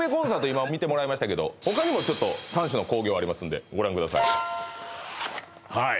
今見てもらいましたけど他にもちょっと３種の興行ありますんでご覧ください